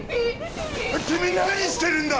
君何してるんだ！